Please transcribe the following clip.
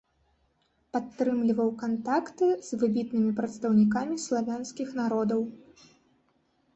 Падтрымліваў кантакты з выбітнымі прадстаўнікамі славянскіх народаў.